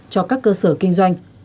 cho các cơ sở kinh doanh